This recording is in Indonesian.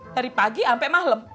dari pagi sampe malem